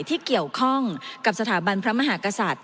ที่เกี่ยวข้องกับสถาบันพระมหากษัตริย์